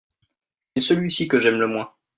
c'est celui-ci que j'aime le moins.